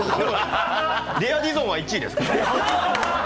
リア・ディゾンは１位ですから。